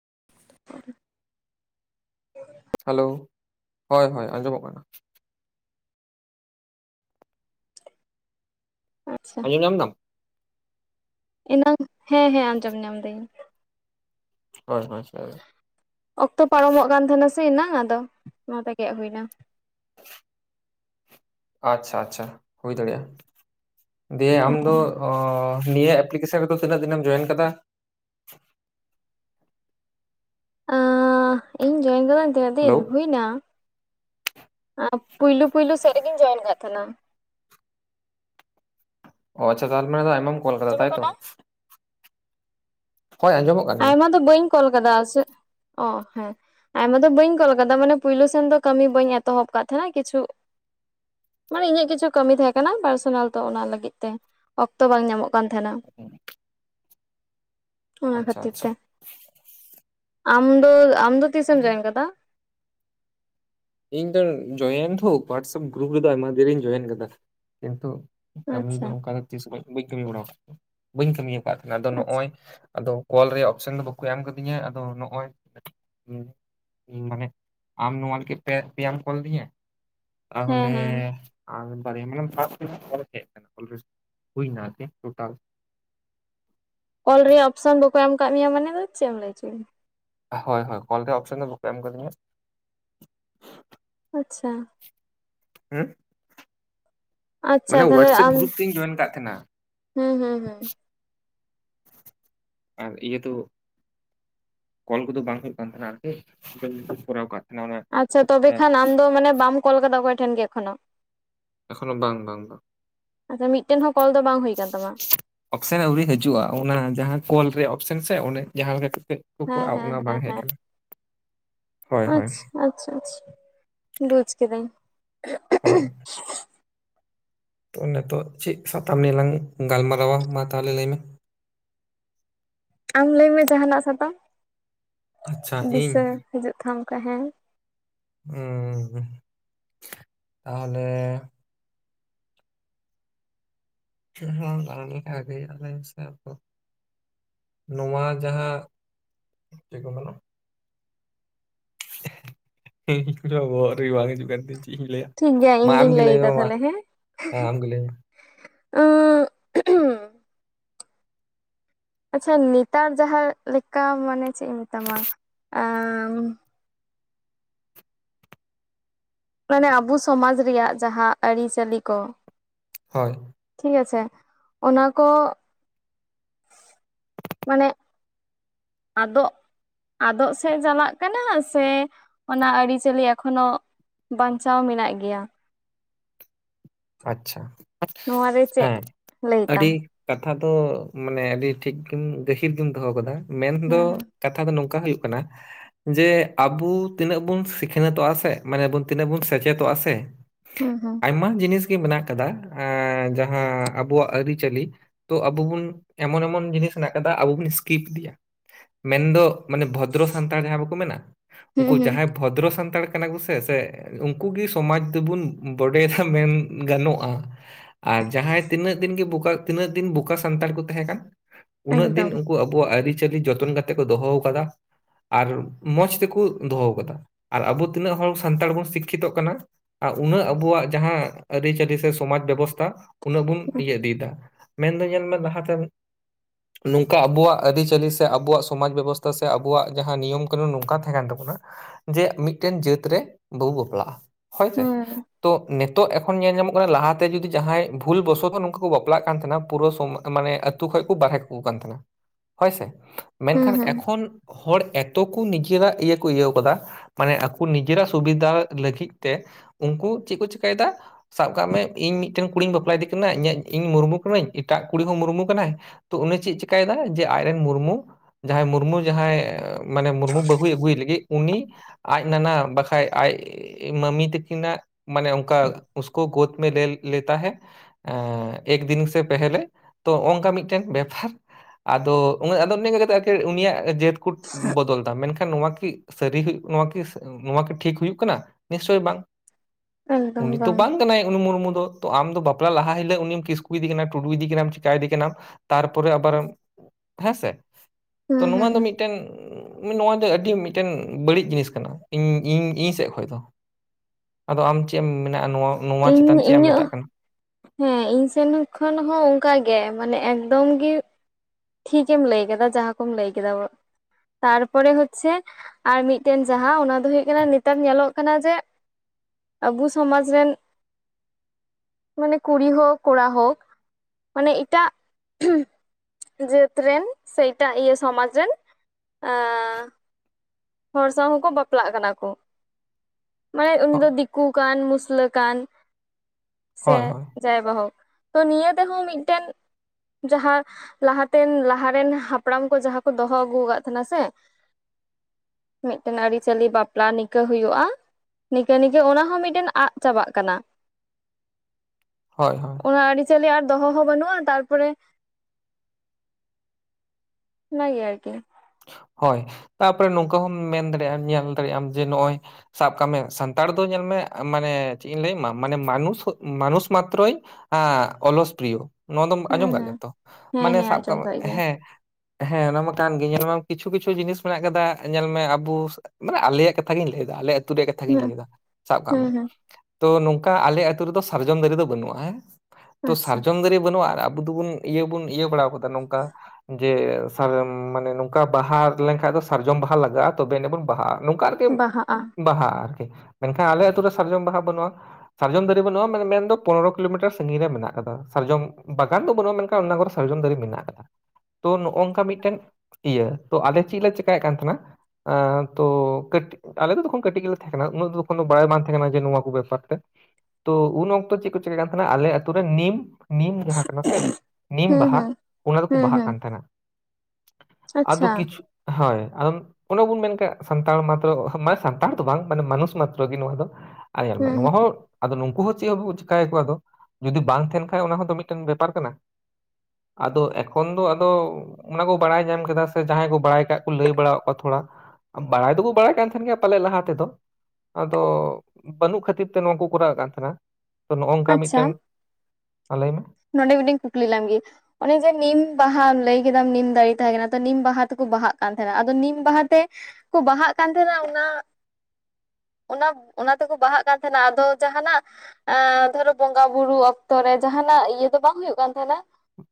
[unintelligible] Hello ᱦᱳᱭ ᱦᱳᱭ ᱟᱸᱡᱚᱢᱚᱜ ᱠᱟᱱᱟ᱾ ᱟᱸᱡᱚᱢ ᱧᱟᱢ ᱫᱟᱢ? ᱤᱱᱟᱹᱝ ᱦᱮᱸ ᱦᱮᱸ ᱟᱸᱡᱚᱢ ᱧᱟᱢᱫᱟᱹᱧ᱾ ᱦᱳᱭ ᱦᱳᱭ ᱚᱠᱛᱚ ᱯᱟᱨᱚᱢᱚᱜ ᱠᱟᱱ ᱛᱟᱦᱮᱱᱟ ᱥᱮ ᱮᱱᱟᱝ ᱟᱫᱚ ᱚᱱᱟ ᱛᱮ ᱜᱮᱫ ᱦᱩᱭ ᱮᱱᱟ᱾ ᱟᱪᱪᱷᱟ ᱟᱪᱪᱷᱟ ᱦᱩᱭ ᱫᱟᱲᱮᱭᱟᱜᱼᱟ᱾ ᱫᱤᱭᱮ ᱟᱢᱫᱚᱻᱚᱻᱚ ᱱᱤᱭᱟᱹ ᱮᱯᱞᱤᱠᱮᱥᱚᱱ ᱨᱮᱫᱚ ᱛᱤᱱᱟᱹᱜ ᱫᱤᱱᱮᱢ ᱡᱚᱭᱮᱱ ᱠᱟᱫᱟ? ᱮᱻ ᱤᱧ ᱡᱚᱭᱮᱱ ᱠᱟᱹᱫᱟᱧ ᱛᱤᱱᱟᱹᱜ ᱦᱮᱞᱳ ᱫᱤᱱ ᱦᱩᱭᱱᱟ ᱯᱩᱭᱞᱩ ᱯᱩᱭᱞᱩ ᱥᱮᱫ ᱨᱮᱜᱤᱧ ᱡᱚᱭᱮᱱ ᱠᱟᱜ ᱛᱟᱦᱮᱱᱟ᱾ ᱚ ᱟᱪᱪᱷᱟ ᱛᱟᱨᱢᱟᱱᱮ ᱟᱭᱢᱟᱢ ᱠᱚᱞ ᱠᱟᱫᱟ ᱟᱸᱡᱚᱢᱚᱜ ᱛᱟᱭᱛᱚ? ᱠᱟᱱᱟ ᱦᱳᱭ ᱟᱸᱡᱚᱢᱚᱜ ᱠᱟᱱ ᱜᱮᱭᱟ᱾ ᱟᱭᱢᱟ ᱫᱚ ᱵᱟᱹᱧ ᱠᱚᱞ ᱠᱟᱫᱟ ᱟ ᱥᱮ ᱚ ᱦᱮᱸ ᱟᱭᱢᱟ ᱫᱚ ᱵᱟᱹᱧ ᱠᱚᱞ ᱠᱟᱫᱟ ᱢᱟᱱᱮ ᱯᱳᱭᱞᱳ ᱥᱮᱱ ᱫᱚ ᱠᱟᱹᱢᱤ ᱵᱟᱹᱧ ᱮᱛᱚᱦᱚᱵ ᱟᱠᱟᱫ ᱛᱟᱦᱮᱸᱱᱟ᱾ ᱠᱤᱪᱷᱩ ᱢᱟᱱᱮ ᱤᱧᱟᱹᱜ ᱠᱤᱪᱷᱩ ᱠᱟᱹᱢᱤ ᱛᱟᱦᱮᱸ ᱠᱟᱱᱟ᱾ ᱯᱟᱨᱥᱚᱱᱟᱞ ᱛᱚ ᱚᱱᱟ ᱞᱟᱹᱜᱤᱫ ᱛᱮ ᱚᱠᱛᱚ ᱵᱟᱝ ᱧᱟᱢᱚᱜ ᱠᱟᱱ ᱛᱟᱦᱮᱱᱟ᱾ [inaudible] ᱚᱱᱟ ᱟᱪᱪᱷᱟ ᱠᱷᱟᱹᱛᱤᱨ ᱟᱪᱪᱷᱟ ᱛᱮ᱾ ᱟᱢ ᱫᱚ ᱟᱢ ᱫᱚ ᱛᱤᱥᱮᱢ ᱡᱚᱭᱮᱱ ᱠᱟᱫᱟ? ᱤᱧ ᱫᱚ ᱡᱚᱭᱮᱱ ᱛᱷᱩ ᱯᱟᱴᱥᱚᱯ ᱜᱩᱨᱩᱯ ᱨᱮᱫᱚ ᱟᱭᱢᱟ ᱫᱤᱨᱤᱧ ᱡᱚᱭᱮᱱ ᱠᱟᱫᱟ᱾ ᱠᱤᱱᱛᱩ ᱠᱟᱹᱢᱤ ᱫᱚ ᱟᱪᱪᱷᱟ ᱚᱝᱠᱟ ᱫᱚ ᱛᱤᱥ ᱵᱟᱹᱧ ᱵᱟᱹᱧ ᱠᱟᱹᱢᱤ ᱵᱟᱲᱟ ᱟᱠᱟᱫᱟ ᱾ ᱵᱟᱹᱧ ᱠᱟᱹᱢᱤ ᱚᱠᱟᱫ ᱛᱟᱦᱮ ᱟᱫᱚ ᱟᱪᱪᱷᱟ ᱱᱚᱚᱭ ᱟᱫᱚ ᱠᱚᱞ ᱨᱮᱭᱟᱜ ᱚᱯᱥᱟᱱ ᱫᱚ ᱵᱟᱠᱩ ᱮᱢ ᱠᱟᱫᱤᱧᱟ ᱟᱫᱚ ᱱᱚᱭ ᱤᱱ ᱢᱟᱱᱮ ᱟᱢ ᱱᱚᱣᱟ ᱠᱤᱯ ᱯᱮᱴ ᱯᱤᱭᱟᱢ ᱠᱚᱞ ᱤᱫᱤᱧᱟ ᱦᱮᱸ ᱛᱟᱦᱚᱞᱮ ᱦᱮᱸ ᱟᱢ ᱯᱟᱨᱮᱱᱚᱢ ᱥᱟᱵ ᱠᱮᱫᱟ ᱚᱠᱟ ᱨᱮ ᱪᱮᱜ ᱠᱟᱱᱟ᱾ ᱦᱩᱭᱱᱟ ᱟᱨᱠᱤ ᱴᱳᱴᱟᱞ ᱠᱚᱞ ᱨᱮᱭᱟᱜ ᱚᱯᱥᱟᱱ ᱵᱟᱠᱚ ᱮᱢ ᱠᱟᱜ ᱢᱮᱭᱟ ᱢᱟᱱᱮ ᱫᱚ᱾ ᱪᱮᱜ ᱮᱢ ᱞᱟᱹᱭ ᱪᱩᱨᱟ ᱦᱳᱭ ᱦᱳᱭ ᱠᱚᱞ ᱨᱮᱭᱟᱜ ᱚᱯᱥᱟᱱ ᱫᱚ ᱵᱟᱠᱚ ᱮᱢ ᱠᱟᱫᱤᱧᱟ᱾ ᱟᱪᱪᱷᱟ ᱦᱮ? ᱟᱪᱪᱷᱟ ᱢᱟᱱᱮ ᱛᱟᱦᱞᱮ ᱩᱣᱟᱴᱥᱮᱯ ᱟᱢ ᱜᱨᱩᱯ ᱛᱤᱧ ᱡᱚᱭᱮᱱ ᱠᱟᱜ ᱛᱟᱦᱮᱱᱟ ᱦᱩᱸ ᱦᱩᱸ ᱦᱩᱸ ᱟᱨ ᱤᱭᱟᱹ ᱫᱩᱜ ᱠᱚᱞ ᱠᱩᱫᱚ ᱵᱟᱝ ᱦᱩᱭᱩᱜ ᱠᱟᱱ ᱛᱟᱦᱮᱱᱟ ᱟᱨᱠᱤ ᱠᱚᱨᱟᱣ ᱠᱟᱜ ᱛᱟᱦᱮᱱᱟ ᱚᱱᱟ ᱟᱪᱪᱷᱟ ᱛᱚᱵᱮ ᱮ, ᱠᱷᱟᱱ ᱟᱢ ᱫᱚ ᱢᱟᱱᱮ ᱵᱟᱢ ᱠᱚᱞ ᱠᱟᱫᱟ ᱚᱠᱚᱭ ᱴᱷᱮᱱ ᱜᱮ ᱮᱠᱷᱚᱱᱚᱜ ᱮᱠᱷᱚᱱᱚ ᱵᱟᱝ -ᱵᱟᱝ ᱵᱟ᱾ ᱟᱪᱪᱷᱟ ᱢᱤᱫᱴᱮᱱ ᱦᱚᱸ ᱠᱚᱞ ᱫᱚ ᱵᱟᱝ ᱦᱩᱭ ᱠᱟᱱ ᱛᱟᱢᱟ ᱚᱯᱥᱮᱱ ᱟᱹᱣᱨᱤ ᱦᱤᱡᱩᱜᱼᱟ᱾ ᱚᱱᱟ ᱡᱟᱦᱟᱸ ᱠᱚᱞ ᱨᱮᱭᱟᱜ ᱚᱯᱥᱮᱱ ᱥᱮ ᱚᱱᱮ ᱡᱟᱦᱟᱸ ᱞᱮᱠᱟ ᱛᱮᱜ ᱠᱩ ᱦᱮᱸ ᱠᱩᱨᱟᱜᱼᱟ᱾ ᱚᱱᱟ ᱵᱟᱝ ᱦᱮᱡ ᱠᱟᱱᱟ ᱟᱹᱪ ᱟᱪᱪᱷᱟ ᱾ ᱵᱩᱡᱽ ᱠᱤᱫᱟᱹᱧ᱾ ᱦᱚᱭ ᱱᱤᱛᱚᱛ ᱪᱮᱜ ᱥᱟᱛᱟᱢ ᱱᱤᱞᱟᱝ ᱜᱟᱞᱢᱟᱨᱟᱣᱟ ᱢᱟ ᱛᱟᱦᱮᱞᱮ ᱞᱟᱹᱭ ᱢᱮ? [inaudible] ᱟᱢ ᱞᱟᱹᱭ ᱢᱮ ᱡᱟᱦᱟᱱᱟᱜ ᱥᱟᱛᱟᱢ? ᱟᱪᱪᱷᱟ ᱤᱧ ᱫᱤᱥᱟᱹ ᱦᱤᱡᱩᱜ ᱛᱷᱟᱢ ᱛᱟᱦᱮᱸ ᱦᱩᱸ ᱛᱟᱦᱮᱞᱮ [unintelligible] ᱱᱚᱣᱟ ᱡᱟᱦᱟᱸ ᱪᱮᱠ ᱠᱚ ᱢᱮᱱᱚ ᱤᱧ ᱠᱷᱩᱱᱟᱜ ᱵᱚᱦᱚᱜ ᱨᱮ ᱵᱟᱝ ᱦᱤᱡᱩᱜ ᱠᱟᱱ ᱛᱤᱧ ᱪᱮᱫ ᱤᱧ ᱞᱟᱹᱭᱟ ᱴᱷᱤᱠ ᱢᱟ ᱜᱤᱭᱟ᱾ᱤᱧ ᱜᱤᱧ ᱟᱢᱜᱮ ᱞᱟᱹᱭ ᱢᱮ ᱫᱟ ᱢᱟ ᱛᱟᱞᱦᱮ ᱦᱮᱸ᱾ ᱦᱮᱸ ᱟᱢᱜᱮ ᱞᱟᱹᱭ ᱢᱮ ᱚᱜᱸ ᱟᱪᱪᱷᱟ ᱱᱤᱛᱟᱨ ᱡᱟᱦᱟᱸ ᱞᱮᱠᱟ ᱢᱟᱱᱮ ᱪᱮᱜ ᱤᱧ ᱢᱮᱛᱟᱢᱟ ᱟᱻ ᱢᱟᱱᱮ ᱟᱵᱚ ᱥᱚᱢᱟᱡᱽ ᱨᱮᱭᱟᱜ ᱡᱟᱦᱟᱸ ᱟᱹᱨᱤ ᱪᱟᱹᱞᱤ ᱠᱚ ᱦᱳᱭ ᱜᱮ ᱥᱮ ᱚᱱᱟ ᱠᱚ ᱢᱚᱱᱮ ᱟᱫᱚᱜ ᱟᱫᱚᱜ ᱥᱮᱫ ᱪᱟᱞᱟᱜ ᱠᱟᱱᱟ ᱥᱮ ᱚᱱᱟ ᱟᱹᱨᱤ ᱪᱟᱹᱞᱤ ᱮᱠᱷᱚᱱᱳ ᱵᱟᱧᱪᱟᱣ ᱢᱮᱱᱟᱜ ᱜᱮᱭᱟ? ᱟᱪᱪᱷᱟ ᱱᱚᱣᱟ ᱨᱮ ᱪᱮᱫ ᱦᱮᱸ ᱞᱟᱹᱭ ᱛᱟᱢ ᱟᱹᱰᱤ ᱠᱟᱛ ᱠᱟᱛᱷᱟ ᱫᱚ ᱢᱟᱱᱮ ᱟᱹᱰᱤ ᱴᱷᱤᱠ ᱜᱤᱢ ᱜᱟᱹᱠᱷᱤᱨ ᱜᱤᱢ ᱫᱚᱦᱚ ᱠᱟᱫᱟ ᱢᱮᱱ ᱫᱚ ᱦᱩᱸ ᱦᱩᱸ ᱠᱟᱛᱷᱟ ᱫᱚ ᱱᱚᱝ ᱠᱟ ᱦᱩᱭᱩᱜ ᱠᱟᱱᱟ ᱡᱮ ᱟᱵᱩ ᱛᱤᱱᱟᱹᱜ ᱵᱚᱩ ᱥᱤᱠᱷᱱᱟᱹᱛᱚᱜᱼᱟ ᱥᱮ ᱢᱟᱱᱮ ᱵᱚᱱ ᱛᱤᱱᱟᱹᱜ ᱵᱩᱱ ᱥᱮᱪᱮᱫᱚᱜᱼᱟ ᱟᱥᱮ ᱦᱩᱸ ᱦᱩᱸ ᱟᱭᱢᱟ ᱡᱤᱱᱤᱥ ᱛᱤᱢ ᱢᱮᱱᱟᱜ ᱠᱟᱫᱟ ᱟᱸ ᱡᱟᱦᱟᱸ ᱟᱵᱩᱣᱟᱜ ᱟᱹᱨᱤ ᱪᱟᱹᱞᱤ ᱛᱚ ᱟᱵᱩ ᱵᱩᱱ ᱮᱢᱚᱱ ᱮᱢᱚᱱ ᱡᱤᱱᱤᱥ ᱥᱮᱱᱟᱜ ᱠᱟᱫᱟ ᱟᱵᱚ ᱵᱚᱱ ᱥᱠᱤᱯ ᱤᱫᱤᱭᱟ ᱢᱮᱱᱫᱚ ᱢᱟᱱᱮ ᱵᱷᱚᱫᱽᱨᱚ ᱥᱟᱱᱛᱟᱲ ᱡᱟᱦᱟᱸ ᱵᱟᱠᱩ ᱢᱮᱱᱟ ᱦᱩᱸ ᱩᱱᱠᱩ ᱦᱩᱸ ᱡᱟᱦᱟᱭ ᱵᱷᱚᱫᱽᱨᱚ ᱥᱟᱱᱛᱟᱲ ᱠᱟᱱᱟ ᱠᱩ ᱥᱮ ᱥᱮ ᱩᱱᱠᱩ ᱜᱤ ᱥᱚᱢᱟᱡᱽ ᱫᱚ ᱵᱩᱱ ᱵᱚᱰᱮᱭᱫᱟ ᱢᱮᱱ ᱜᱟᱱᱚᱜᱼᱟ ᱟᱨ ᱡᱟᱦᱟᱸᱭ ᱛᱤᱱᱟᱹᱜ ᱫᱤᱱ ᱜᱤ ᱵᱚᱠᱟ ᱛᱤᱱᱟᱹᱜ ᱫᱤᱱ ᱵᱚᱠᱟ ᱥᱟᱱᱛᱟᱲ ᱠᱚ ᱛᱟᱦᱮᱸ ᱠᱟᱱ ᱩᱱᱟᱹᱜ ᱫᱤᱱ ᱮᱠᱫᱚᱢ ᱩᱱᱠᱩ ᱟᱵᱚᱣᱟᱜ ᱟᱹᱨᱤ ᱪᱟᱹᱞᱤ ᱡᱚᱛᱚᱱ ᱠᱟᱛᱮᱜ ᱠᱚ ᱫᱚᱦᱚ ᱠᱟᱫᱟ ᱟᱨ ᱢᱚᱸᱡᱽ ᱛᱮᱠᱩ ᱫᱚᱦᱚ ᱠᱟᱫᱟ ᱟᱨ ᱟᱵᱚ ᱛᱤᱱᱟᱹᱜ ᱦᱚᱲ ᱥᱟᱱᱛᱟᱲ ᱵᱚᱱ ᱥᱤᱠᱠᱷᱤᱛᱚᱜ ᱠᱟᱱᱟ ᱩᱱᱟᱹᱜ ᱟᱵᱚᱣᱟᱜ ᱡᱟᱦᱟᱸ ᱟᱹᱨᱤ ᱪᱟᱹᱞᱤ ᱥᱮ ᱥᱚᱢᱟᱡ ᱵᱮᱵᱚᱥᱛᱷᱟ ᱩᱱᱟᱹᱜ ᱵᱚᱱ ᱦᱩᱸ ᱤᱭᱟᱹ ᱤᱫᱤᱫᱟ᱾ ᱢᱮᱱᱫᱚ ᱧᱮᱞ ᱢᱮ ᱞᱟᱦᱟᱛᱮᱢ ᱱᱚᱝᱠᱟ ᱟᱵᱚᱣᱟᱜ ᱟᱹᱨᱤᱪᱟᱹᱞᱤ ᱥᱮ ᱟᱵᱚᱣᱟᱜ ᱥᱚᱢᱟᱡ ᱵᱮᱵᱳᱥᱛᱷᱟ ᱥᱮ ᱟᱵᱳᱭᱟᱜ ᱡᱟᱦᱟᱸ ᱱᱤᱭᱚᱢ ᱠᱟᱹᱱᱩᱱ ᱱᱚᱝᱠᱟ ᱛᱟᱦᱮᱸ ᱠᱟᱱ ᱛᱟᱵᱚᱱᱟ ᱡᱮ ᱢᱤᱫᱴᱮᱱ ᱡᱟᱹᱛ ᱨᱮ ᱵᱟᱹᱵᱩ ᱵᱟᱯᱞᱟᱜᱼᱟ ᱦᱳᱭᱥᱮ ᱛᱚ ᱱᱤᱛᱚ ᱠᱷᱚᱱ ᱧᱮᱞ ᱧᱟᱢᱚᱜ ᱠᱟᱱᱟ ᱞᱟᱦᱟᱛᱮ ᱡᱩᱫᱤ ᱡᱟᱦᱟᱸᱭ ᱵᱷᱩᱞ ᱵᱚᱥᱚᱛᱚ ᱱᱚᱝᱠᱟ ᱠᱚ ᱵᱟᱯᱞᱟᱜ ᱠᱟᱱ ᱛᱟᱦᱮᱱᱟ ᱯᱩᱨᱟᱹ ᱥᱚᱢᱟᱱ ᱢᱟᱱᱮ ᱟᱹᱛᱩᱳ ᱠᱷᱚᱡ ᱠᱚ ᱵᱟᱼᱼ [unintelligible] ᱠᱟᱱ ᱛᱟᱦᱮᱱᱟ ᱦᱳᱭᱥᱮ ᱦᱩᱸ ᱢᱮᱱᱠᱷᱟᱱ ᱦᱩᱸ ᱮᱠᱷᱚᱱ ᱦᱚᱲ ᱮᱛᱚ ᱠᱩ ᱱᱤᱡᱮᱨᱟᱜ ᱤᱭᱟᱹ ᱠᱚ ᱤᱭᱟᱹᱣ ᱠᱟᱫᱟ ᱢᱟᱱᱮ ᱟᱠᱚ ᱱᱤᱡᱮᱨᱟᱜ ᱥᱩᱵᱤᱫᱷᱟ ᱞᱟᱹᱜᱤᱫ ᱛᱮ ᱩᱝᱠᱩ ᱪᱮᱫ ᱠᱚ ᱪᱤᱠᱟᱭᱮᱫᱟ ᱥᱟᱵ ᱠᱟᱜ ᱢᱮ ᱤᱧ ᱢᱤᱫᱴᱮᱱ ᱠᱩᱲᱤᱧ ᱵᱟᱯᱞᱟᱭᱮᱫᱮ ᱠᱟᱱᱟ ᱤᱧᱮ ᱤᱧ ᱢᱩᱨᱢᱩ ᱠᱟᱹᱱᱟᱹᱧ ᱮᱴᱟᱜ ᱠᱩᱲᱤ ᱦᱚᱸ ᱢᱩᱨᱢᱩ ᱠᱟᱱᱟᱭ ᱛᱚ ᱩᱱᱤ ᱪᱤᱫ ᱪᱤᱠᱟᱭᱮᱫᱟᱭ ᱡᱮ ᱟᱡᱨᱮᱱ ᱢᱩᱨᱢᱩ ᱡᱟᱦᱟᱸᱭ ᱢᱩᱨᱢᱩ ᱡᱟᱦᱟᱸᱭ ᱢᱟᱱᱮ ᱢᱩᱨᱢᱩ ᱵᱟᱹᱦᱩᱭ ᱟᱹᱜᱩᱭᱮ ᱞᱤᱜᱤᱫ ᱩᱱᱤ ᱟᱡ ᱱᱟᱱᱟ ᱵᱟᱠᱷᱟᱡ ᱟᱡ ᱢᱟᱹᱢᱤ ᱛᱟᱹᱠᱤᱱᱟᱜ ᱢᱟᱱᱮ ᱚᱝᱠᱟ ᱩᱥᱠᱩ ᱜᱳᱫ ᱢᱮ ᱞᱮ ᱞᱮᱛᱟ ᱦᱮ ᱮᱠ ᱫᱤᱱ ᱥᱮ ᱯᱮᱦᱞᱮ ᱛᱚ ᱚᱝᱠᱟ ᱢᱤᱫᱴᱮᱱ [unintelligible] ᱟᱫᱚ ᱩᱱᱟᱜ ᱟᱫᱚ ᱱᱤᱝᱠᱟ ᱠᱟᱛᱮ ᱟᱨᱠᱤ ᱩᱱᱤᱭᱟᱜ ᱡᱟᱹᱛ ᱠᱩ [unintelligible] ᱵᱚᱫᱚᱞ ᱫᱟ ᱢᱮᱱᱠᱷᱟᱱ ᱱᱚᱣᱟ ᱠᱤ ᱥᱟᱹᱨᱤ ᱦᱩᱭᱩᱜ ᱱᱚᱣᱟ ᱠᱤ ᱱᱚᱣᱟᱠᱤ ᱴᱷᱤᱠ ᱦᱩᱭᱩᱜ ᱠᱟᱱᱟ ᱱᱤᱥᱪᱳᱭ ᱵᱟᱝ ᱮᱠᱫᱚᱢ ᱩᱱᱤ ᱵᱟ ᱛᱚ ᱵᱟᱝ ᱠᱟᱱᱟᱭ ᱩᱱᱤ ᱢᱩᱨᱢᱩ ᱫᱚ᱾ [unintelligible] ᱛᱚ ᱟᱢ ᱫᱚ ᱵᱟᱯᱞᱟ ᱞᱟᱦᱟ ᱦᱤᱞᱳᱜ ᱩᱱᱤ ᱠᱤᱥᱠᱩ ᱩᱫᱤ ᱠᱟᱱᱟ ᱴᱩᱰᱩ ᱤᱫᱤ ᱠᱟᱱᱟᱢ ᱪᱤᱠᱟᱭᱮᱫᱤ ᱠᱟᱱᱟᱢ ᱛᱟᱨᱯᱚᱨᱮ ᱟᱵᱟᱨ ᱦᱮᱸᱥᱮ ᱛᱚ ᱦᱩᱸ ᱱᱚᱣᱟ ᱦᱩᱸ ᱫᱚ ᱢᱤᱫᱴᱮᱱ ᱱᱚᱣᱟ ᱫᱚ ᱟᱹᱰᱤ ᱢᱤᱫᱴᱮᱱ ᱵᱟᱹᱲᱤᱡ ᱡᱤᱱᱤᱥ ᱠᱟᱱᱟ ᱤᱝ ᱤᱝ ᱤᱧ ᱥᱮᱫ ᱠᱷᱚᱱ ᱫᱚ᱾ ᱟᱫᱚ ᱟᱢ ᱪᱮᱫ ᱮᱢ [unintelligible] ᱱᱚᱣᱟ ᱤᱧ ᱪᱮᱛᱟᱱ ᱪᱮᱫ ᱮᱢ ᱤᱧᱟᱹᱜ ᱢᱮᱛᱟᱜ ᱠᱟᱱᱟ ᱦᱮᱸ ᱤᱧ ᱥᱮᱱ ᱠᱷᱚᱱ ᱦᱚᱸ ᱚᱱᱠᱟᱜᱮ ᱢᱟᱱᱮ ᱮᱠᱫᱚᱢ ᱜᱮ ᱴᱷᱤᱠᱮᱢ ᱞᱟᱹᱭ ᱠᱟᱫᱟ ᱡᱟᱦᱟᱸ ᱠᱚᱢ ᱞᱟᱹᱭ ᱠᱮᱫᱟ᱾ ᱛᱟᱨᱯᱚᱨᱮ ᱦᱚᱪᱪᱷᱮ ᱟᱨ ᱢᱤᱫᱴᱮᱱ ᱡᱟᱦᱟᱸ ᱚᱱᱟ ᱫᱚ ᱦᱩᱭᱩᱜ ᱠᱟᱱᱟ ᱱᱮᱛᱟᱨ ᱧᱮᱞᱚᱜ ᱠᱟᱱᱟ ᱡᱮ ᱟᱵᱩ ᱥᱚᱢᱟᱡ ᱨᱮᱱ ᱢᱟᱱᱮ ᱠᱩᱲᱤ ᱦᱳᱠ ᱠᱚᱲᱟ ᱦᱳᱠ ᱢᱟᱱᱮ ᱮᱴᱟᱜ ᱡᱟᱹᱛ ᱨᱮᱱ ᱥᱮ ᱮᱴᱟᱜ ᱤᱭᱟᱹ ᱥᱚᱢᱟᱡᱽ ᱨᱮᱱ ᱟ- ᱦᱚᱲ ᱥᱟᱶ ᱦᱚᱸᱠᱚ ᱵᱟᱯᱞᱟᱜ ᱠᱟᱱᱟ ᱠᱚ ᱢᱟᱱᱮ ᱩᱱᱤ ᱫᱚ ᱦᱚ- ᱫᱤᱠᱩ ᱠᱟᱱ ᱢᱩᱥ ᱞᱟᱹ ᱠᱟᱱ ᱥᱮ ᱦᱳᱭ ᱦᱳᱭ [unintelligible] ᱦᱳᱠ ᱛᱚ ᱱᱤᱭᱟᱹ ᱛᱮᱦᱚᱸ ᱢᱤᱫᱴᱮᱱ ᱡᱟᱸᱦᱟ ᱞᱟᱦᱟᱛᱮ ᱞᱟᱦᱟᱨᱮᱱ ᱦᱟᱯᱲᱟᱢ ᱠᱚ ᱡᱟᱦᱟᱸ ᱠᱚ ᱫᱚᱦᱚ ᱟᱹᱜᱩ ᱟᱠᱟᱫ ᱛᱟᱦᱮᱱᱟ ᱥᱮ ᱢᱤᱫᱴᱮᱱ ᱟᱹᱨᱤᱪᱟᱹᱞᱤ ᱵᱟᱯᱞᱟ ᱱᱤᱝᱠᱟᱹ ᱦᱩᱭᱩᱜᱼᱟ᱾ ᱱᱤᱠᱟᱹ ᱱᱤᱠᱮ ᱚᱱᱟ ᱦᱚᱸ ᱢᱤᱫᱴᱮᱱ ᱟᱫ ᱪᱟᱵᱟᱜ ᱠᱟᱱᱟ᱾ ᱦᱳᱭ ᱦᱳᱭ [unintelligible] ᱫᱚᱦᱚ ᱦᱚᱸ ᱵᱟᱹᱱᱩᱜᱼᱟ ᱛᱟᱨᱯᱚᱨᱮ ᱚᱱᱟ ᱜᱮᱸ ᱟᱨᱠᱤ ᱦᱳᱭ ᱛᱟᱯᱚᱨᱮ ᱱᱚᱝᱠᱟ ᱦᱚᱢ ᱢᱮᱱ ᱫᱟᱲᱮᱭᱟᱜᱼᱟᱢ ᱧᱮᱞ ᱫᱟᱲᱮᱭᱟᱜ ᱟᱢ ᱡᱮ ᱱᱚᱜᱼᱚᱭ ᱥᱟᱵ ᱠᱟᱜ ᱢᱮ ᱥᱟᱱᱛᱟᱲ ᱫᱚ ᱧᱟᱢ ᱢᱮ ᱢᱟᱱᱮ ᱪᱮᱫ ᱤᱧ ᱞᱟᱹᱭᱟᱢᱟ ᱢᱟᱱᱮ ᱢᱟᱱᱩᱥᱽ ᱢᱟᱱᱩᱥᱚ ᱢᱟᱛᱨᱚᱭ ᱚᱞᱚᱥᱯᱨᱤᱭᱚ᱾ ᱱᱚᱣᱟ ᱫᱚᱢ ᱦᱩᱸ ᱟᱸᱡᱚᱢ ᱠᱟᱜ ᱦᱩᱸ ᱜᱮᱭᱟ ᱛᱚ ᱦᱮᱸ ᱢᱟᱱᱮ ᱦᱮᱸ ᱥᱟᱵ ᱠᱟᱜ ᱟᱸᱡᱚᱢ ᱢᱮ ᱜᱮᱭᱟ ᱦᱮᱸ ᱦᱮᱸ ᱚᱱᱟ ᱢᱟ ᱠᱟᱱ ᱧᱮᱞ ᱢᱮ ᱠᱤᱪᱷᱩ ᱠᱤᱪᱷᱩ ᱡᱤᱱᱤᱥ ᱢᱮᱱᱟᱜ ᱠᱟᱫᱟ ᱧᱮᱞ ᱢᱮ ᱟᱵᱚ ᱢᱟᱱᱮ ᱟᱞᱮᱭᱟᱜ ᱠᱟᱛᱷᱟᱤᱧ ᱞᱟᱹᱭ ᱮᱫᱟ ᱟᱞᱮᱭᱟᱜ ᱟᱛᱩᱨᱮᱭᱟᱜ ᱠᱟᱛᱷᱟ ᱜᱤᱧ ᱦᱩᱸ ᱞᱮᱭᱫᱟ ᱥᱟᱵ ᱠᱟᱜ ᱦᱩᱸ ᱢᱮ ᱦᱩᱸ ᱛᱚ ᱱᱚᱝᱠᱟ ᱟᱞᱮ ᱟᱛᱩ ᱨᱮᱫᱚ ᱥᱟᱨᱡᱚᱢ ᱫᱟᱨᱮ ᱫᱚ ᱵᱟᱹᱱᱩᱜᱼᱟᱸ ᱛᱚ ᱟᱪᱪᱷᱟ ᱥᱟᱨᱡᱚᱢ ᱫᱟᱨᱮ ᱵᱟᱹᱱᱩᱜᱼᱟ ᱟᱨ ᱩᱱᱨᱮᱫᱚ ᱵᱳᱱ ᱤᱭᱟᱹ ᱵᱚᱱ ᱤᱭᱟᱹ ᱵᱟᱲᱟ ᱟᱠᱟᱫᱟ ᱱᱚᱝᱠᱟ ᱡᱮ ᱥᱟᱨᱡᱚᱢ ᱢᱟᱱᱮ ᱱᱚᱝᱠᱟ ᱵᱟᱦᱟᱨ ᱞᱮᱱᱠᱷᱟᱱ ᱫᱚ ᱥᱟᱨᱡᱚᱢ ᱵᱟᱦᱟ ᱞᱟᱜᱟᱜᱼᱟ ᱛᱚᱵᱮ ᱱᱤᱜ ᱵᱚᱱ ᱵᱟᱦᱟᱜᱼᱟ ᱱᱚᱝᱠᱟ ᱟᱨᱠᱤ ᱵᱟᱦᱟᱜᱼᱟ ᱵᱟᱦᱟᱼᱟ ᱢᱮᱱᱠᱷᱟᱱ ᱟᱞᱮ ᱟᱛᱳ ᱨᱮ ᱥᱟᱨᱡᱚᱢ ᱵᱟᱦᱟ ᱵᱟᱱᱩ. ᱜᱼᱟ ᱥᱟᱨᱡᱚᱢ ᱫᱟᱨᱮ ᱵᱟᱹᱱᱩᱜᱼᱟ ᱢᱮᱱᱫᱚ ᱯᱚᱱᱫᱳᱨᱚ ᱠᱤᱞᱳ ᱢᱤᱴᱟᱨ ᱥᱟᱺᱜᱤᱧ ᱨᱮ ᱢᱮᱱᱟᱜ ᱟᱠᱟᱫᱟ ᱥᱟᱨᱡᱚᱢ ᱵᱟᱜᱟᱱ ᱫᱚ ᱵᱟᱹᱱᱩᱜᱼᱟ ᱢᱮᱱᱠᱷᱟᱱ ᱚᱱᱟ ᱠᱚᱨᱮ ᱥᱟᱨᱡᱚᱢ ᱫᱟᱨᱮ ᱢᱮᱱᱟᱜ ᱟᱠᱟᱫᱟ ᱛᱚ ᱱᱚᱜᱝᱠᱟ ᱢᱤᱫᱴᱮᱱ ᱤᱭᱟᱹ ᱛᱚ ᱟᱞᱮ ᱪᱤᱫ ᱞᱮ ᱪᱮᱠᱟᱭᱮᱫ ᱠᱟᱱ ᱛᱟᱦᱮᱸᱱᱟ ᱟᱹ ᱛᱚ ᱠᱟᱹᱴᱤ ᱟᱞᱮ ᱫᱚ ᱛᱚᱠᱷᱚᱱ ᱠᱟᱹᱴᱤᱡ ᱜᱮᱞᱮ ᱛᱟᱦᱮᱸ ᱠᱟᱱᱟ ᱚᱠᱷᱚᱱᱳ ᱵᱟᱲᱟᱭ ᱵᱟᱝ ᱛᱟᱦᱮᱸ ᱠᱟᱱᱟ ᱡᱮ ᱱᱚᱣᱟ ᱠᱚ ᱵᱮᱯᱟᱨ ᱛᱮ ᱛᱚ ᱩᱱ ᱚᱠᱛᱚ ᱪᱮᱫ ᱠᱚ ᱪᱤᱠᱟᱹ ᱠᱟᱱ ᱛᱟᱦᱮᱱᱟ ᱟᱞᱮ ᱟᱛᱳ ᱨᱮ ᱱᱤᱢ ᱱᱤᱢ ᱡᱟᱦᱟᱸ ᱠᱟᱱᱟ ᱥᱮ ᱱᱤᱢ ᱦᱩᱸ ᱵᱟᱦᱟ ᱦᱩᱸ ᱚᱱᱟ ᱫᱚᱠᱚ ᱦᱩᱸ ᱵᱟᱦᱟᱜ ᱦᱩᱸ ᱠᱟᱱ ᱛᱟᱦᱮᱱᱟ ᱟᱫᱚ ᱟᱪᱪᱷᱟ ᱠᱤᱪᱷᱩ ᱦᱚᱭ ᱟᱢ ᱚᱱᱟ ᱵᱚᱱ ᱢᱮᱱ ᱠᱟᱜ ᱥᱟᱱᱛᱟᱲ ᱢᱟᱛᱨᱚ ᱢᱟᱱᱮ ᱥᱟᱱᱛᱟᱲ ᱫᱚ ᱵᱟᱝ ᱢᱟᱱᱮ ᱢᱟᱱᱩᱥ ᱢᱟᱛᱨᱚ ᱜᱤ ᱱᱚᱣᱟ ᱫᱚ ᱟᱨ ᱧᱮᱞ ᱢᱮ ᱦᱩᱸ ᱱᱚᱣᱟ ᱦᱩᱸ ᱦᱚᱸ ᱟᱫᱚ ᱩᱱᱠᱩ ᱦᱚᱸ ᱪᱮᱫ ᱦᱚᱸ ᱵᱟᱠᱳ ᱪᱮᱠᱟ. ᱭᱟᱠᱚ ᱟᱫᱚ ᱡᱩᱫᱤ ᱵᱟᱝ ᱛᱟᱦᱮᱱ ᱠᱷᱟᱱ ᱚᱱᱟ ᱦᱚᱸ ᱛᱚ ᱢᱤᱫᱴᱟᱱ ᱵᱮᱯᱟᱨ ᱠᱟᱱᱟ᱾ ᱟᱫᱚ ᱮᱠᱷᱚᱱ ᱫᱚ ᱟᱫᱚ ᱚᱱᱟ ᱠᱚ ᱵᱟᱲᱟᱭ ᱧᱟᱢ ᱠᱮᱫ-ᱟ ᱥᱮ ᱡᱟᱦᱟᱸᱭ ᱠᱚ ᱵᱟᱲᱟᱭ ᱟᱠᱟᱜ ᱠᱚ ᱞᱟᱹᱭ ᱵᱟᱲᱟ-ᱟᱫ ᱠᱚᱣᱟ ᱛᱷᱚᱲᱟ ᱵᱟᱲᱟᱭ ᱫᱚᱠᱚ ᱵᱟᱲᱟᱭ ᱠᱟᱱ ᱛᱟᱦᱮᱱ ᱜᱮᱭᱟ ᱯᱟᱞᱮᱞ ᱞᱟᱦᱟ ᱛᱮᱫᱚ᱾ ᱟᱫᱚ ᱵᱟᱹᱱᱩᱜ ᱠᱷᱟᱹᱛᱤᱨ ᱛᱮ ᱱᱚᱣᱟ ᱠᱚ ᱠᱚᱨᱟᱣᱮᱫ ᱠᱟᱱ ᱛᱟᱦᱮᱱᱟ ᱛᱚ ᱱᱚᱜᱝᱠᱟ ᱟᱪᱪᱷᱟ ᱢᱤᱫᱴᱮᱱ ᱢᱟ ᱞᱟᱹᱭ ᱢᱮ ᱱᱚᱸᱰᱮ ᱢᱤᱫᱴᱮᱱ ᱠᱩᱠᱞᱤ ᱞᱮᱢᱜᱮ ᱚᱱᱮ ᱡᱮ ᱱᱤᱢ ᱵᱟᱦᱟ ᱞᱟᱹᱭ ᱠᱮᱫᱟᱢ ᱱᱤᱢ ᱫᱟᱨᱮ ᱛᱟᱦᱮᱸ ᱠᱟᱱᱟ ᱛᱚ ᱱᱤᱢ ᱵᱟᱦᱟ ᱫᱚᱠᱚ ᱵᱟᱦᱟᱜ ᱠᱟᱱ ᱛᱟᱦᱮᱸᱱᱟ ᱟᱫᱚ ᱱᱤᱢ ᱵᱟᱦᱟ ᱛᱮᱠᱚ ᱵᱟᱦᱟᱜ ᱠᱟᱱ ᱛᱟᱦᱮᱸᱱᱟ ᱚᱱᱟ ᱚᱱᱟ ᱚᱱᱟ ᱛᱮᱠᱚ ᱵᱟᱦᱟᱜ ᱠᱟᱱ ᱛᱟᱦᱮᱸᱱᱟ ᱟᱫᱚ ᱡᱟᱦᱱᱟᱜ ᱫᱷᱚᱨᱚ ᱵᱚᱸᱜᱟ ᱵᱩᱨᱩ ᱚᱠᱛᱚᱨᱮ ᱡᱟᱦᱟᱱᱟᱜ ᱤᱭᱟᱹ ᱫᱚ ᱵᱟᱝ ᱦᱩᱭᱩᱜ ᱠᱟᱱ ᱛᱟᱦᱮᱸᱱᱟ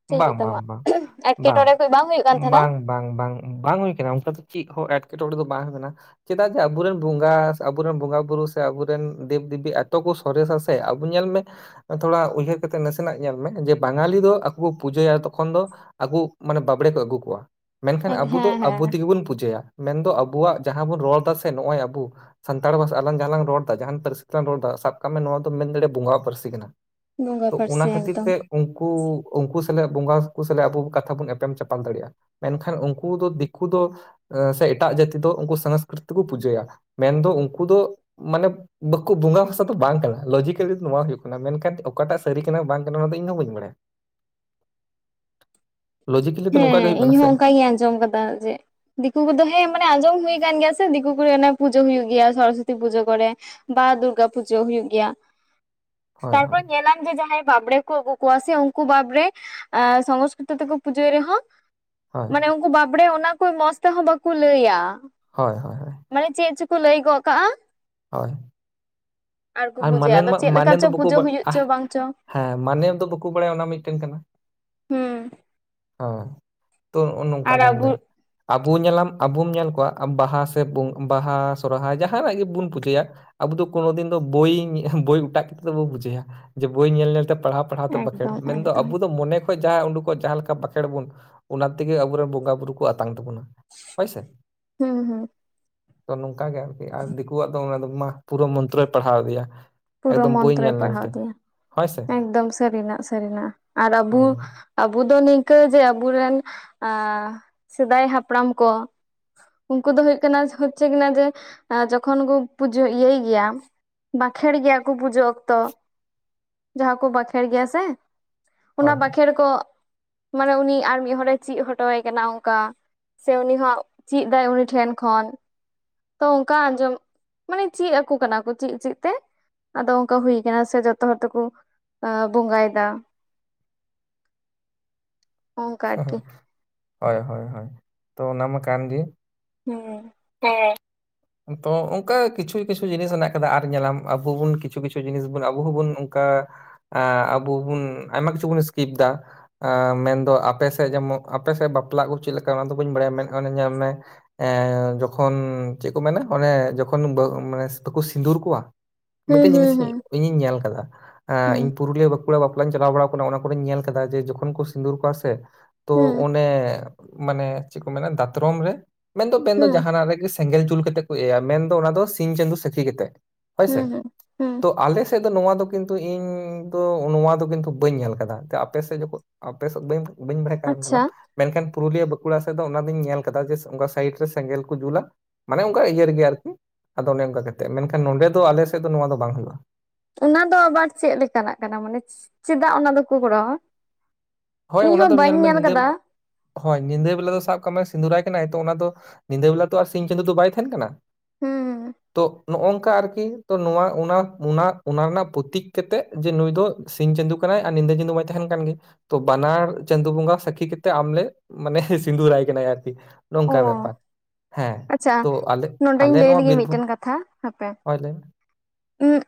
ᱪᱮᱫ ᱤᱧ ᱵᱟᱝ ᱵᱟᱝ ᱢᱮᱛᱟᱢᱟ ᱵᱟᱝ ᱮᱴᱠᱮᱴᱚᱬᱮ ᱠᱚ ᱵᱟᱝ ᱦᱩᱭᱩᱜ ᱠᱟᱱ ᱛᱟᱦᱮᱱᱟ ᱵᱟᱝ ᱵᱟᱝ ᱵᱟᱝ ᱵᱟᱝ ᱦᱩᱭ ᱟᱠᱟᱱᱟ ᱚᱱᱠᱟ ᱫᱚ ᱪᱮᱫ ᱦᱚᱸ ᱮᱫ ᱮᱴᱠᱮᱴᱚᱬᱮ ᱫᱚ ᱵᱟᱝ ᱠᱟᱱᱟ ᱪᱮᱫᱟᱜ ᱡᱮ ᱟᱵᱚᱨᱮᱱ ᱵᱚᱸᱜᱟ ᱟᱵᱚᱨᱮᱱ ᱵᱚᱸᱜᱟ ᱵᱩᱨᱩ ᱥᱮ ᱟᱵᱚᱨᱮᱱ ᱫᱮᱵ ᱫᱮᱵᱤ ᱟᱛᱚ ᱠᱚ ᱥᱚᱨᱮᱥ-ᱟ ᱥᱮ ᱟᱵᱚ ᱧᱮᱞ ᱢᱮ ᱛᱷᱚᱲᱟ ᱩᱭᱦᱟᱹᱨ ᱠᱟᱛᱮ ᱱᱟᱥᱮᱱᱟᱜ ᱧᱮᱞ ᱢᱮ ᱵᱟᱝᱟᱞᱤ ᱫᱚ ᱠᱚ ᱯᱩᱡᱟᱹᱭᱟ ᱛᱚᱠᱷᱚᱱ ᱫᱚ ᱟᱹᱠᱩ ᱢᱟᱱᱮ ᱵᱟᱸᱢᱵᱽᱲᱮ ᱠᱚ ᱟᱹᱜᱩ ᱠᱚᱣᱟ᱾ ᱢᱮᱱᱠᱷᱟᱱ ᱦᱮᱸ ᱟᱵᱚ ᱫᱚ ᱟᱵᱚ ᱦᱮᱸ ᱛᱮᱜᱮ ᱵᱚᱱ ᱯᱩᱡᱟᱹᱭᱟ ᱢᱮᱱᱫᱚ ᱟᱵᱚ ᱟᱵᱚᱣᱟᱜ ᱡᱟᱦᱟᱸ ᱵᱚᱱ ᱨᱚᱲ ᱮᱫᱟ ᱥᱮ ᱱᱚᱜ ᱚᱭ ᱟᱵᱚ ᱥᱟᱱᱛᱟᱲ ᱵᱷᱟᱥᱟ ᱟᱞᱟᱝ ᱡᱟᱦᱟᱸ ᱞᱟᱝ ᱨᱚᱲ ᱮᱫᱟ ᱡᱟᱦᱟᱱ ᱯᱟᱹᱨᱥᱤ ᱛᱮᱞᱟᱝ ᱨᱚᱲ ᱮᱫᱟ ᱥᱟᱵ ᱠᱟᱜ ᱢᱮ ᱱᱳᱶᱟ᱾ ᱱᱚᱣᱟ ᱫᱚᱢ ᱢᱮᱱ ᱫᱟᱲᱮᱭᱟᱜ-ᱟ ᱵᱚᱸᱜᱟ ᱟᱜ ᱯᱟᱹᱨᱥᱤ ᱠᱟᱱᱟ ᱵᱚᱸᱜᱟ ᱛᱚ ᱚᱱᱟ ᱯᱟᱹᱨᱥᱤ ᱠᱷᱟᱹᱛᱤᱨ ᱮᱠᱫᱚᱢ ᱛᱮ ᱩᱱᱠᱩ ᱩᱱᱠᱩ ᱥᱟᱞᱟᱜ ᱵᱚᱸᱜᱟ ᱠᱳ ᱥᱟᱞᱟᱜ ᱟᱵᱚ ᱠᱟᱛᱷᱟ ᱵᱚᱱ ᱮᱯᱮᱢ ᱪᱟᱯᱟᱞ ᱫᱟᱲᱮᱭᱟᱜ-ᱟ ᱢᱮᱱᱠᱷᱟᱱ ᱩᱱᱠᱩ ᱫᱚ ᱫᱤᱠᱩ ᱫᱚ ᱥᱮ ᱮᱴᱟᱜ ᱡᱟᱹᱛᱤ ᱫᱚ ᱩᱱᱠᱩ ᱥᱚᱝᱥᱠᱨᱤᱛ ᱛᱮᱠᱚ ᱯᱩᱡᱟᱹᱭᱟ ᱢᱮᱱᱫᱚ ᱩᱱᱠᱩ ᱫᱚ ᱢᱟᱱᱮ ᱵᱟᱸᱠᱳ ᱵᱚᱸᱜᱟ ᱱᱚᱣᱟ ᱵᱷᱟᱥᱟ ᱫᱚ ᱵᱟᱝ ᱠᱟᱱᱟ ᱞᱚᱡᱤᱠᱮᱞᱤ ᱫᱚ ᱱᱚᱣᱟ ᱦᱩᱭᱩᱜ ᱠᱟᱱᱟ ᱢᱮᱱᱠᱷᱟᱱ ᱚᱠᱟᱴᱟᱜ ᱥᱟᱹᱨᱤ ᱠᱟᱱᱟ ᱵᱟᱝ ᱠᱟᱱᱟ ᱚᱱᱟ ᱫᱚ ᱤᱧ ᱦᱚ ᱵᱟᱹᱧ ᱵᱟᱲᱟᱭᱟ᱾ ᱞᱚᱡᱤᱠᱮᱞᱤ ᱫᱚ ᱱᱚᱝᱠᱟ ᱜᱮ ᱦᱮᱸ ᱦᱩᱭᱩᱜ ᱤᱧ ᱠᱟᱱᱟ ᱦᱚ ᱥᱮ ᱚᱱᱠᱟ ᱜᱤᱧ ᱟᱸᱡᱚᱢ ᱟᱠᱟᱫᱟ ᱡᱮ ᱫᱤᱠᱩ ᱠᱚᱫᱚ ᱦᱮᱸ ᱢᱟᱱᱮ ᱟᱸᱡᱚᱢ ᱦᱩᱭ ᱠᱟᱱ ᱜᱮᱭᱟ ᱥᱮ ᱫᱤᱠᱩ ᱛᱟᱨᱯᱚᱨᱮ ᱚᱱᱟ ᱯᱩᱡᱟᱹ ᱦᱩᱭᱩᱜ ᱜᱮᱭᱟ ᱥᱚᱨᱚᱥᱚᱛᱤ ᱯᱩᱡᱟᱹ ᱠᱚᱨᱮ ᱵᱟ ᱫᱩᱨᱜᱟ ᱯᱩᱡᱟᱹ ᱦᱩᱭᱩᱜ ᱜᱮᱭᱟ᱾ ᱦᱳᱭ ᱦᱳᱭ ᱛᱟᱨᱯᱚᱨ ᱧᱮᱞᱟᱢ ᱡᱮ ᱡᱟᱦᱟᱸᱭ ᱵᱟᱸᱢᱵᱽᱲᱮ ᱠᱚ ᱟᱹᱜᱩ ᱠᱚᱣᱟ ᱥᱮ ᱩᱱᱠᱩ ᱵᱟᱸᱢᱵᱽᱲᱮ ᱥᱚᱝᱥᱠᱨᱤᱛ ᱛᱮᱠᱚ ᱯᱩᱡᱟᱹᱭ ᱨᱮᱦᱚᱸ ᱦᱳᱭ ᱢᱟᱱᱮ ᱩᱱᱠᱩ ᱵᱟᱸᱢᱵᱽᱲᱮ ᱚᱱᱟ ᱠᱚ ᱢᱚᱸᱡᱽ ᱛᱮᱦᱚᱸ ᱵᱟᱠᱚ ᱞᱟᱹᱭᱟ᱾ ᱦᱳᱭ ᱦᱳᱭ᱾ ᱢᱟᱱᱮ ᱪᱮᱫ ᱞᱟᱹᱭ ᱜᱚᱜ ᱠᱟᱸᱦᱟ ᱦᱳᱭ ᱟᱨ ᱯᱩᱡᱟᱹᱭᱟ ᱟᱫᱚ ᱢᱟᱱᱮᱢᱟ ᱪᱮᱫ ᱢᱟᱱᱮ ᱞᱮᱠᱟ ᱫᱚ ᱪᱚ ᱵᱟᱠᱚ ᱯᱩᱡᱟᱹ ᱦᱩᱭᱩᱜ ᱟᱨ ᱪᱚ ᱵᱟᱝ ᱪᱚ ᱦᱮᱸ ᱢᱟᱱᱮ ᱫᱚ ᱵᱟᱠᱚ ᱵᱟᱲᱟᱭᱟ ᱚᱱᱟ ᱢᱤᱫᱴᱮᱱ ᱠᱟᱱᱟ᱾ ᱦᱩᱻ ᱦᱮᱸ ᱛᱚ ᱱᱚᱜ-ᱚ ᱱᱚᱝᱠᱟ ᱧᱮᱞ ᱢᱮ᱾ ᱟ ᱟᱵᱚ ᱧᱮᱞᱟᱢ ᱟᱵᱩᱢ ᱧᱮᱞ ᱠᱚᱣᱟ ᱵᱟᱦᱟ ᱥᱮ ᱵᱟᱦᱟ ᱥᱚᱦᱨᱟᱭ ᱡᱟᱦᱟᱱᱟᱜ ᱜᱮᱵᱚᱱ ᱯᱩᱡᱷᱟᱹᱭᱟ ᱟᱵᱚ ᱫᱚ ᱠᱳᱱᱳ ᱫᱤᱱ ᱫᱚ ᱵᱳᱭ ᱚᱴᱟᱜ ᱠᱟᱛᱮ ᱫᱚ ᱵᱟᱵᱚ ᱯᱩᱡᱟᱹᱭᱟ ᱡᱮ ᱵᱳᱭ ᱧᱮᱞ ᱧᱮᱞᱛᱮ ᱯᱟᱲᱦᱟᱣ ᱯᱟᱲᱦᱟᱣ ᱛᱮ ᱵᱟᱠᱷᱮᱲ ᱮᱠᱫᱚᱢ ᱢᱮᱱᱫᱚ ᱟᱵᱚ ᱮᱠᱫᱚᱢ ᱫᱚ ᱢᱚᱱᱮ ᱡᱟᱦᱟᱸᱭ-ᱟ ᱩᱸᱰᱩᱠᱚᱜ ᱡᱟᱦᱟᱸ ᱞᱮᱠᱟ ᱵᱟᱠᱷᱮᱲ ᱟᱵᱚᱱ ᱚᱱᱟᱛᱮᱜᱮ ᱟᱵᱚᱨᱮᱱ ᱵᱚᱸᱜᱟ ᱵᱩᱨᱩ ᱠᱚ ᱟᱛᱟᱝ-ᱟ᱾ ᱦᱳᱭᱥᱮ ᱦᱩᱸ ᱦᱩᱸ ᱛᱚ ᱱᱚᱝᱠᱟ ᱜᱮ ᱟᱨᱠᱤ ᱟᱨ ᱫᱤᱠᱩ ᱚᱱᱟ ᱫᱚ ᱢᱟ ᱯᱩᱨᱟᱹ ᱢᱚᱱᱛᱨᱚᱭ ᱯᱟᱲᱦᱟᱣ ᱟᱫᱮᱭᱟ ᱯᱩᱨᱟᱹ ᱢᱚᱱᱛᱨᱚᱭ ᱯᱟᱲᱦᱟᱣ ᱟᱫᱮᱭᱟ ᱦᱳᱭ ᱥᱮ ᱮᱠᱫᱚᱢ ᱥᱟᱹᱨᱤᱱᱟᱜ ᱥᱟᱹᱨᱤᱱᱟᱜ ᱟᱨ ᱟᱵᱚ ᱦᱳᱭ ᱦᱳᱭ ᱟᱵᱚ ᱫᱚ ᱱᱤᱝᱠᱟᱹ ᱡᱮ ᱟᱵᱚ ᱨᱮᱱ ᱥᱮᱫᱟᱭ ᱦᱟᱯᱲᱟᱢ ᱠᱚ ᱩᱱᱠᱩ ᱫᱚ ᱦᱩᱭᱩᱜ ᱠᱟᱱᱟ ᱦᱚᱪᱪᱷᱮ ᱠᱤᱱᱟ ᱡᱮ ᱡᱚᱠᱷᱚᱱ ᱠᱚ ᱯᱩᱡᱟᱹ ᱤᱭᱟᱹᱭ ᱜᱮᱭᱟ ᱵᱟᱸᱠᱷᱮᱲ ᱜᱮᱭᱟ ᱠᱚ ᱯᱩᱡᱟᱹ ᱚᱠᱛᱚ ᱡᱟᱦᱟᱸ ᱠᱚ ᱵᱟᱸᱠᱷᱮᱲ ᱜᱮᱭᱟ ᱥᱮ ᱦᱳᱭ ᱚᱱᱟ ᱵᱟᱸᱠᱷᱮᱬ ᱠᱚ ᱢᱟᱱᱮ ᱩᱱᱤ ᱟᱨ ᱢᱤᱫ ᱦᱚᱲᱮ ᱪᱮᱫ ᱦᱚᱴᱚ-ᱟᱭ ᱠᱟᱱᱟ ᱚᱱᱠᱟ ᱥᱮ ᱩᱱᱤ ᱦᱚᱸ ᱪᱮᱫ ᱫᱟᱭ ᱩᱱᱤ ᱴᱷᱮᱱ ᱠᱷᱚᱱ ᱛᱚ ᱚᱱᱠᱟ ᱟᱸᱡᱚᱢ ᱢᱟᱱᱮ ᱪᱮᱫ ᱟᱠᱚ ᱠᱟᱱᱟ ᱠᱚ ᱪᱮᱫ ᱪᱮᱫ ᱛᱮ ᱟᱫᱚ ᱚᱱᱠᱟ ᱦᱩᱭ ᱠᱟᱱᱟ ᱥᱮ ᱡᱚᱛᱚ ᱦᱚᱲ ᱛᱮᱠᱚ ᱵᱚᱸᱜᱟᱭᱮᱫᱟ ᱚᱱᱠᱟ ᱟᱨᱠᱤ ᱦᱳᱭ ᱦᱳᱭ ᱦᱳᱭ ᱛᱚ ᱚᱱᱟ ᱢᱟ ᱠᱟᱱ ᱜᱮ ᱦᱮᱸ ᱦᱮᱸ ᱛᱚ ᱚᱱᱠᱟ ᱠᱤᱪᱷᱩ ᱠᱤᱪᱷᱩ ᱡᱤᱱᱤᱥ ᱦᱮᱱᱟᱜ ᱠᱟᱫᱟ ᱟᱨ ᱧᱮᱞᱟᱢ ᱟᱵᱚ ᱵᱚᱱ ᱠᱤᱪᱷᱩ ᱠᱤᱪᱷᱩ ᱡᱤᱱᱤᱥ ᱵᱚᱱ ᱟᱵᱚ ᱦᱚᱸᱵᱚᱱ ᱚᱱᱠᱟ ᱟᱵᱩ ᱵᱩᱱ ᱟᱭᱢᱟ ᱠᱤᱪᱷᱩ ᱵᱚᱱ ᱥᱠᱤᱯ ᱫᱟ ᱢᱮᱱᱫᱚ ᱟᱯᱮᱮᱥᱮᱫ ᱡᱮᱢᱚᱱ ᱟᱯᱮᱮᱥᱮᱫ ᱵᱟᱯᱞᱟ ᱠᱚ ᱪᱮᱫ ᱞᱮᱠᱟ ᱚᱱᱟ ᱫᱚ ᱵᱟᱹᱧ ᱵᱟᱲᱟᱭᱟ ᱢᱮᱱᱚᱱ ᱧᱮᱞ ᱢᱮ ᱡᱚᱠᱷᱚᱱ ᱪᱮᱫ ᱠᱚ ᱢᱮᱱᱟ ᱚᱱᱮ ᱡᱚᱠᱷᱚᱱ ᱵᱟᱠᱚ ᱥᱤᱸᱫᱩᱨ ᱠᱚᱣᱟ ᱦᱩᱸ ᱢᱤᱫᱴᱮᱱ ᱦᱩᱸ ᱡᱤᱱᱤᱥ ᱤ ᱦᱩᱸ ᱤᱧᱤᱧ ᱧᱮᱞ ᱟᱠᱟᱫᱟ ᱤᱧ ᱦᱩᱸ ᱯᱩᱨᱩᱞᱤᱭᱟᱹ ᱵᱟᱸᱠ ᱵᱟᱠᱩᱲᱟ ᱵᱟᱯᱞᱟᱧ ᱪᱟᱞᱟᱣ ᱵᱟᱲᱟ ᱟᱠᱟᱱᱟ ᱚᱱᱟ ᱠᱚᱨᱮᱧ ᱧᱮᱞ ᱠᱮᱫᱟ ᱡᱮ ᱡᱚᱠᱷᱚᱱ ᱠᱚ ᱥᱤᱸᱫᱩᱨ ᱠᱚᱣᱟ ᱥᱮ ᱛᱚ ᱦᱩᱸ ᱚᱱᱮ ᱢᱟᱱᱮ ᱪᱮᱫ ᱠᱚ ᱢᱮᱱᱟ ᱫᱟᱛᱨᱚᱢ ᱨᱮ ᱢᱮᱱᱫᱚ ᱢᱮᱱᱫᱚ ᱦᱩᱸ ᱡᱟᱦᱟᱱᱟᱜ ᱨᱮᱜᱮ ᱥᱮᱸᱜᱮᱞ ᱡᱩᱞ ᱠᱟᱛᱮ ᱠᱚ ᱮᱭᱟ ᱢᱮᱱᱫᱚ ᱚᱱᱟ ᱫᱚ ᱥᱤᱧ ᱪᱟᱸᱫᱚ ᱥᱟᱹᱠᱷᱤ ᱠᱟᱛᱮ ᱦᱳᱭᱥᱮ ᱦᱩᱸ ᱦᱩᱸ ᱦᱩᱸ ᱛᱚ ᱟᱞᱮ ᱱᱚᱣᱟ ᱫᱚ ᱠᱤᱱᱛᱩ ᱤᱧ ᱫᱚ ᱱᱚᱣᱟ ᱫᱚ ᱠᱤᱱᱛᱩ ᱵᱟᱹᱧ ᱧᱮᱞ ᱟᱠᱟᱫᱟ ᱟᱯᱮᱥᱮᱫ ᱡᱚᱠᱷᱚᱱ ᱟᱯᱮᱮᱥᱮᱫ ᱵᱟᱹᱧ ᱵᱟᱹᱧ ᱵᱟᱲᱟᱭ ᱠᱟᱨᱚᱱ ᱠᱟᱱᱟ ᱟᱪᱪᱷᱟ ᱢᱮᱱᱠᱷᱟᱱ ᱯᱩᱨᱩᱞᱤᱭᱟᱹ ᱵᱟᱸᱠᱩᱲᱟ ᱥᱮᱫ ᱫᱚ ᱚᱱᱟ ᱫᱚᱧ ᱧᱮᱞ ᱟᱠᱟᱫᱟ ᱡᱮ ᱚᱱᱠᱟ ᱥᱟᱭᱤᱰ ᱨᱮ ᱥᱮᱸᱜᱮᱞ ᱠᱚ ᱡᱩᱞᱟ ᱢᱟᱱᱮ ᱚᱱᱠᱟ ᱤᱭᱟᱹ ᱨᱮᱜᱮ ᱟᱨᱠᱤ ᱟᱫᱚ ᱚᱱᱮ ᱚᱱᱠᱟ ᱠᱟᱛᱮᱫ ᱢᱮᱱᱠᱷᱟᱱ ᱱᱚᱰᱮ ᱫᱚ ᱟᱞᱮ ᱥᱮᱫ ᱫᱚ ᱱᱚᱣᱟ ᱫᱚ ᱵᱟᱝ ᱦᱩᱭᱩᱜᱼᱟ᱾ ᱚᱱᱟ ᱫᱚ ᱟᱵᱟᱨ ᱪᱮᱫ ᱞᱮᱠᱟᱱᱟᱜ ᱠᱟᱱᱟ ᱢᱟᱱᱮ ᱪᱮᱫᱟᱜ ᱚᱱᱟ ᱫᱚᱠᱚ ᱠᱚᱨᱟᱣᱟ? ᱦᱳᱭ ᱤᱧ ᱚᱱᱟ ᱫᱚ ᱦᱚᱸ ᱵᱟᱹᱧ ᱧᱮᱞᱢᱮ ᱧᱮᱞ ᱧᱤᱫᱟᱹ ᱵᱮ ᱠᱟᱫᱟ ᱦᱳᱭ ᱧᱤᱫᱟᱹ ᱵᱮᱞᱟ ᱫᱚ ᱥᱟᱵ ᱠᱟᱜ ᱢᱮ ᱥᱤᱫᱩᱨᱟᱭ ᱠᱟᱱᱟᱭ ᱛᱚ ᱚᱱᱟ ᱫᱚ ᱧᱤᱫᱟᱹ ᱵᱮᱞᱟ ᱛᱚ ᱟᱨ ᱥᱤᱧ ᱪᱟᱸᱫᱚ ᱫᱚ ᱵᱟᱭ ᱛᱟᱦᱮᱱ ᱠᱟᱱᱟ ᱦᱮᱸ ᱱᱚᱜᱝᱠᱟ ᱟᱨᱠᱤ ᱛᱚ ᱱᱚᱣᱟ ᱚᱱᱟ ᱨᱮᱱᱟᱜ ᱯᱚᱛᱤᱠ ᱠᱟᱛᱮᱜ ᱡᱮ ᱱᱩᱭ ᱫᱚ ᱥᱤᱧ ᱪᱟᱸᱫᱚ ᱠᱟᱱᱟ ᱟᱨ ᱧᱤᱫᱟᱹ ᱪᱟᱸᱫᱩ ᱢᱟᱭ ᱛᱟᱦᱮᱱ ᱠᱟᱱ ᱜᱮ ᱛᱚ ᱵᱟᱱᱟᱨ ᱪᱟᱸᱫᱩ ᱵᱚᱜᱟ ᱥᱟᱠᱷᱤ ᱠᱟᱛᱮ ᱟᱢᱞᱮ ᱢᱟᱱᱮ ᱥᱤᱫᱩᱨᱟᱭ ᱠᱟᱱᱟ ᱟᱨᱠᱤ ᱚ ᱱᱚᱝᱠᱟ ᱵᱮᱯᱟᱨ ᱦᱮᱸ ᱟᱪᱪᱷᱟ ᱛᱚ ᱟᱞᱮ ᱱᱚᱰᱮᱧ ᱟᱞᱮ ᱞᱟᱹᱭ ᱱᱚᱣᱟ ᱞᱮᱜᱮ ᱵᱤᱨᱵᱷᱩᱢ ᱢᱤᱫᱴᱮᱱ ᱠᱟᱛᱷᱟ ᱦᱟᱯᱮ ᱦᱳᱭ ᱞᱟᱹᱭ ᱢᱮ ᱩᱜ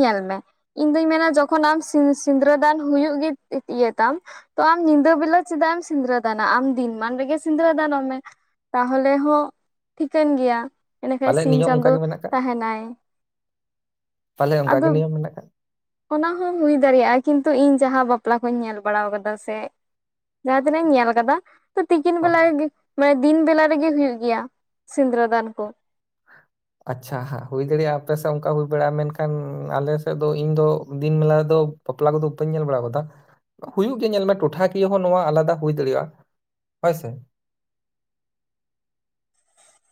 ᱧᱮᱞ ᱢᱮ ᱤᱧ ᱫᱩᱧ ᱢᱮᱱᱟ ᱡᱚᱠᱷᱚᱱ ᱟᱢ ᱥᱤᱸᱤᱫᱨᱟᱹ ᱫᱟᱱ ᱦᱩᱭᱩᱜ ᱜᱮ ᱤᱭᱟᱹ ᱛᱟᱢ ᱛᱚ ᱟᱢ ᱢ ᱧᱤᱫᱟᱹ ᱵᱮᱞᱟ ᱪᱮᱫᱟᱜ ᱮᱢ ᱥᱤᱸᱫᱽᱨᱟᱹ ᱫᱟᱱᱟ ᱟᱢ ᱫᱤᱱ ᱢᱟᱱ ᱨᱮᱜᱮ ᱥᱤᱸᱫᱽᱨᱟᱹ ᱫᱟᱱᱚᱜ ᱢᱮ ᱛᱟᱦᱚᱞᱮ ᱦᱚᱸ ᱴᱷᱤᱠᱟᱹᱱ ᱜᱮᱭᱟ ᱮᱸᱰᱮᱠᱷᱟᱱᱡ ᱯᱟᱞᱮᱫ ᱥᱤᱧ ᱱᱤᱭᱚᱢ ᱚᱱᱠᱟ ᱪᱟᱸᱫᱚᱭ ᱜᱮ ᱢᱮᱱᱟᱜ ᱠᱟᱜ ᱛᱟᱦᱮᱱᱟᱭ ᱯᱟᱞᱮᱫ ᱚᱱᱠᱟ ᱟᱫᱚ ᱜᱮ ᱱᱤᱭᱚᱢ ᱢᱮᱱᱟᱜ ᱠᱟᱜ ᱚᱱᱟ ᱦᱚᱸ ᱦᱩᱭ ᱫᱟᱲᱮᱭᱟᱜᱼᱟ ᱠᱤᱱᱛᱩ ᱤᱧ ᱡᱟᱦᱟᱸ ᱵᱟᱯᱞᱟ ᱠᱩᱧ ᱧᱮᱞ ᱵᱟᱲᱟ ᱟᱠᱟᱫᱟ ᱥᱮ ᱡᱟᱦᱟᱸ ᱛᱤᱱᱟᱹᱜ ᱤᱧ ᱧᱮᱞ ᱟᱠᱟᱫᱟ ᱛᱤᱠᱤᱱ ᱦᱳᱭ ᱵᱮᱞᱟ ᱨᱮᱜᱮ ᱢᱟᱱᱮ ᱫᱤᱱ ᱵᱮᱞᱟ ᱨᱮᱜᱮ ᱦᱩᱭᱩᱜ ᱜᱮᱭᱟ ᱥᱤᱸᱫᱽᱨᱟᱹ ᱫᱟᱱ ᱠᱚ ᱟᱪᱪᱷᱟ ᱦᱟᱸᱜ ᱦᱩᱭ ᱫᱟᱲᱮᱭᱟᱜᱼᱟ ᱟᱯᱮ ᱥᱮᱫ ᱚᱱᱠᱟ ᱦᱩᱭ ᱵᱟᱲᱟᱜᱼᱟ ᱢᱮᱱᱠᱷᱟᱱ ᱟᱞᱮ ᱥᱮᱫ ᱫᱚ ᱤᱧ ᱫᱚ ᱫᱤᱱ ᱵᱮᱞᱟ ᱫᱚ ᱵᱟᱯᱞᱟ ᱠᱚᱫᱚ ᱵᱟᱹᱧ ᱧᱮᱞ ᱵᱟᱲᱟ ᱟᱠᱟᱫᱟ ᱦᱩᱭᱩᱜ ᱜᱮᱭᱟ ᱧᱮᱞ ᱢᱮ ᱴᱚᱴᱷᱟ ᱠᱤᱭᱟᱹ ᱦᱚᱸ ᱱᱚᱣᱟ ᱟᱞᱟᱫᱟ ᱦᱩᱭ ᱫᱟᱲᱮᱭᱟᱜᱼᱟ᱾ ᱦᱳᱭ ᱥᱮ [inaudible]